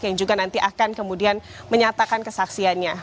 yang juga nanti akan kemudian menyatakan kesaksiannya